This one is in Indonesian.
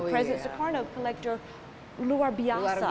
presiden soekarno collector luar biasa